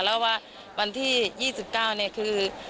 แล้วว่าบรรตี๒๙เนี่ยคือ